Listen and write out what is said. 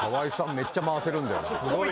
めっちゃ回せるんだよな。